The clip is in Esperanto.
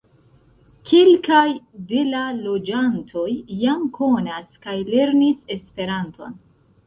Kelkaj de la loĝantoj jam konas kaj lernis Esperanton.